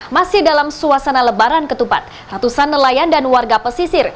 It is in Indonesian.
masih dalam suasana lebaran ketupat ratusan nelayan dan warga pesisir